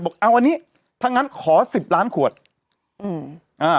บอกเอาอันนี้ถ้างั้นขอสิบล้านขวดอืมอ่า